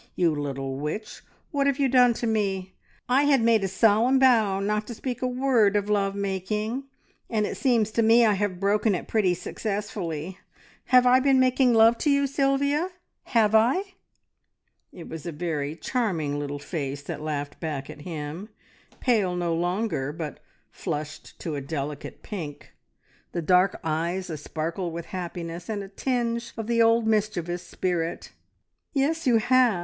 You little witch, what have you done to me? I had made a solemn vow not to speak a word of love making, and it seems to me I have broken it pretty successfully. Have I been making love to you, Sylvia have I?" It was a very charming little face that laughed back at him, pale no longer, but flushed to a delicate pink, the dark eyes a sparkle with happiness, and a tinge of the old mischievous spirit. "Yes, you have!